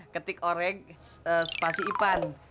ketik oreg spasi ipan